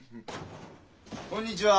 こんにちは！